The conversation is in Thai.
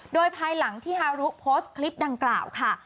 โดยภายหลังที่ฮารุโพสต์คลิปดังกล่าวค่ะ